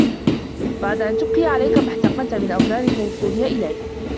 بَعْدَ أَنْ تُبْقِي عَلَيْك مَا احْتَقَنَتْ مِنْ أَوْزَارِ وُصُولِهَا إلَيْك